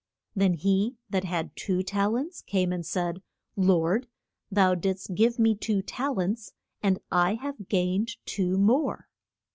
Then he that had two tal ents came and said, Lord, thou didst give me two tal ents and I have gained two more.